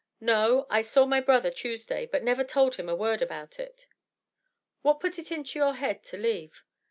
"No, I saw my brother Tuesday, but never told him a word about it." "What put it into your head to leave?"